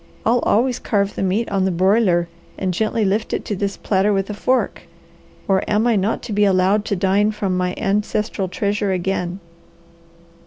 I'll always carve the meat on the broiler, and gently lift it to this platter with a fork. Or am I not to be allowed to dine from my ancestral treasure again?"